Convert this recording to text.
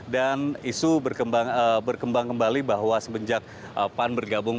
dan isu berkembang kembali bahwa semenjak pan bergabung